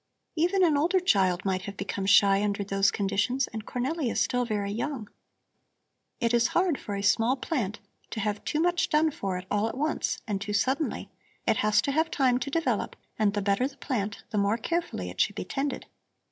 "Even an older child might have become shy under those conditions, and Cornelli is still very young. It is hard for a small plant to have too much done for it all at once and too suddenly; it has to have time to develop, and the better the plant the more carefully it should be tended."